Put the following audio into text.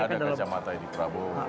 ada kacamata edi prabowo